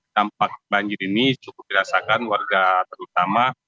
dampak banjir ini cukup dirasakan warga terutama